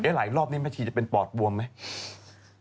หลายรอบนี้แม่ชีจะเป็นปอดบวมไหม